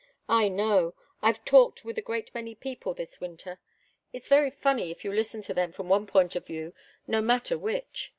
I know I've talked with a great many people this winter. It's very funny, if you listen to them from any one point of view, no matter which.